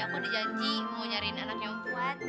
aku udah janji mau nyariin anaknya om fuad